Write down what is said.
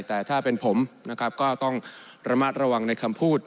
แต่ถ้าเป็นผมนะครับก็ต้องระมัดระวังในคำพูด